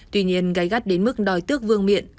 tuy nhiên gái gắt đến mức đòi tước vương miện